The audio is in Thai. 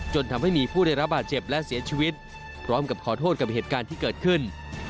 จนทำให้มีผู้ได้รับบาดเจ็บและเสียชีวิตพร้อมกับขอโทษกับเหตุการณ์ที่เกิดขึ้น